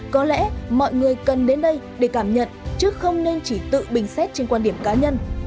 có lẽ mọi người cần đến đây để cảm nhận chứ không nên chỉ tự bình xét trên quan điểm cá nhân